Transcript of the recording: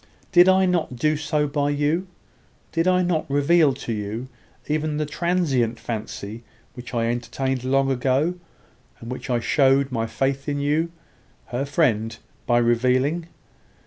Did I not do so by you? Did I not reveal to you even the transient fancy which I entertained long ago, and which I showed my faith in you, her friend, by revealing?